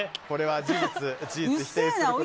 これは事実です。